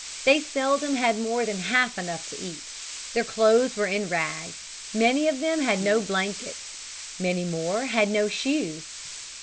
They seldom had more than half enough to eat. Their clothes were in rags. Many of them had no blankets. Many more had no shoes.